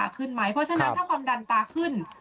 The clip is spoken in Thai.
เพราะฉะนั้นถ้าความดันตาขึ้น